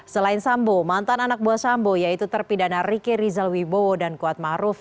selain sambo mantan anak buah sambo yaitu terpidana riki rizal wibowo dan kuatmaruf